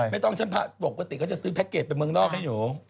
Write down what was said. ไม่ต้องฉันพระปกติก็จะซื้อแพ็คเกจไปเมืองนอกให้หนู